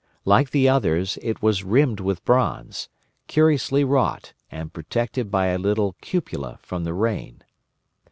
Like the others, it was rimmed with bronze, curiously wrought, and protected by a little cupola from the rain.